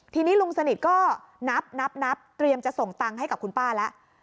ทีนี้ลุงสนิทก็นับนับเตรียมจะส่งตังค์ให้กับคุณป้าแล้ว